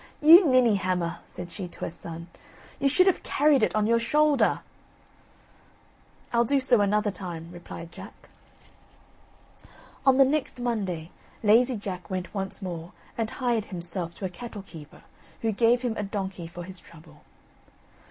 "You ninney hammer," said she to her son; "you should have carried it on your shoulder." "I'll do so another time," replied Jack. On the next Monday, Lazy Jack went once more, and hired himself to a cattle keeper, who gave him a donkey for his trouble.